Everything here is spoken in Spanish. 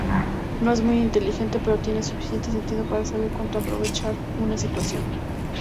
No es muy inteligente, pero tiene suficiente sentido para saber cuándo aprovechar una situación.